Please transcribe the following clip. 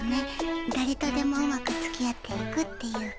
だれとでもうまくつきあっていくっていうか。